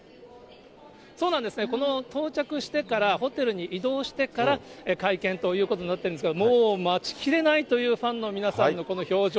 そうなんですね、この到着してから、ホテルに移動してから、会見ということになってるんですけど、もう待ちきれないというファンの皆さんのこの表情。